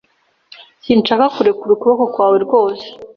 Sinshaka kurekura ukuboko kwawe rwose